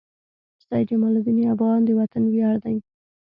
سيد جمال الدین افغان د وطن وياړ دي.